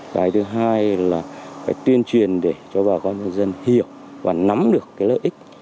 cái thứ hai là phải tuyên truyền để cho bà con nhân dân hiểu và nắm được cái lợi ích